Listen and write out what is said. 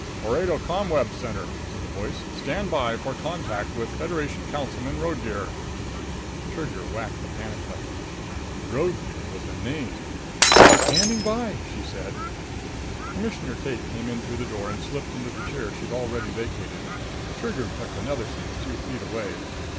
"Orado ComWeb Center," said the voice. "Stand by for contact with Federation Councilman Roadgear." Trigger whacked the panic button. Roadgear was a NAME! "Standing by," she said. Commissioner Tate came in through the door and slipped into the chair she'd already vacated. Trigger took another seat a few feet away.